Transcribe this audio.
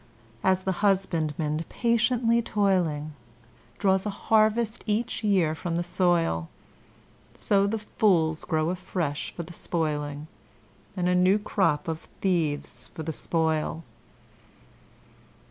As the husbandman, patiently toiling, Draws a harvest each year from the soil, So the fools grow afresh for the spoiling, And a new crop of thieves for the spoil.